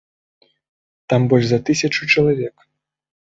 Там больш за тысячу чалавек.